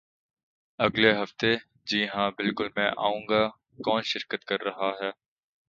اگلے ہفتے؟ جی ہاں، بالکل میں آئوں گا. کون شرکت کر رہا ہے؟